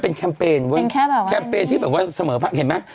เป็นแค่แบบว่าแคมเปญที่แบบว่าเสมอภักดิ์เห็นไหม